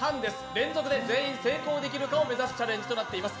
連続で全員成功できるかのチャンレジとなっています。